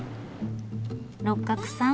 六角さん